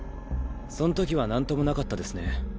そんときはなんともなかったですね。